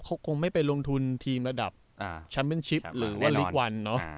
เขาคงไม่ไปลงทุนทีมระดับแชมป์เป็นชิปหรือว่าลีกวันเนอะ